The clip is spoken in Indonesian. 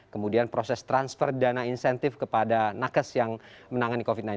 kemudian proses transfer dana insentif kepada nakes yang menangani covid sembilan belas